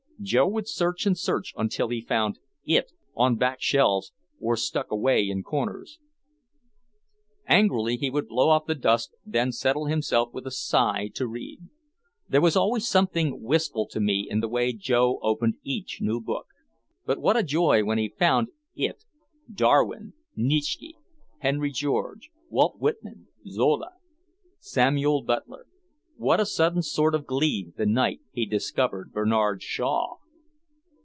Joe would search and search until he found "it" on back shelves or stuck away in corners. Angrily he would blow off the dust and then settle himself with a sigh to read. There was always something wistful to me in the way Joe opened each new book. But what a joy when he found "it" Darwin, Nietzsche, Henry George, Walt Whitman, Zola, Samuel Butler. What a sudden sort of glee the night he discovered Bernard Shaw!